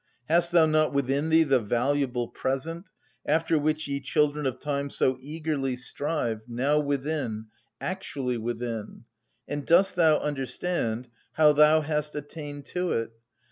Hast thou not within thee the valuable present, after which ye children of time so eagerly strive, now within, actually within? And dost thou understand how thou hast attained to it?